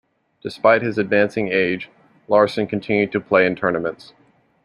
Despite his advancing age, Larsen continued to play in tournaments.